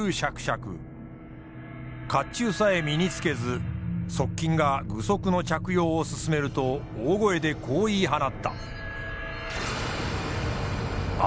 甲冑さえ身に着けず側近が具足の着用を勧めると大声でこう言い放った。